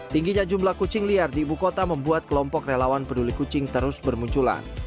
tingginya jumlah kucing liar di ibu kota membuat kelompok relawan peduli kucing terus bermunculan